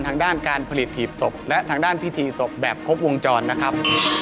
ทางด้านการผลิตถีบศพและทางด้านพิธีศพแบบครบวงจรนะครับ